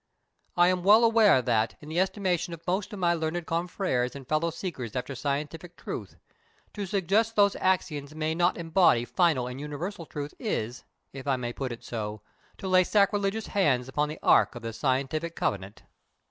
I am well aware that, in the estimation of most of my learned confrères and fellow seekers after scientific truth, to suggest those axioms may not embody final and universal truth is, if I may put it so, to lay sacrilegious hands on the Ark of the Scientific Covenant."